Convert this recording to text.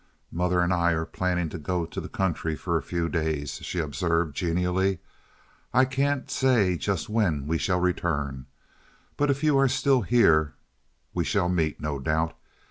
"Mother and I are planning to go to the country for a few days," she observed, genially. "I can't say just when we shall return, but if you are still here we shall meet, no doubt.